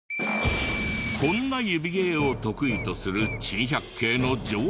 こんな指芸を得意とする『珍百景』の常連さん。